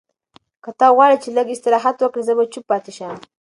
که ته غواړې چې لږ استراحت وکړې، زه به چپ پاتې شم.